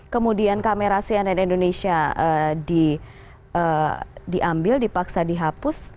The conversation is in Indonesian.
kemudian kamera cnn indonesia diambil dipaksa dihapus